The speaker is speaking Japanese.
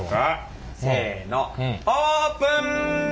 せのオープン！